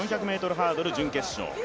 ４００ｍハードル準決勝。